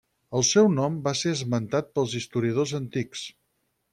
El seu nom va ser esmentat pels historiadors antics: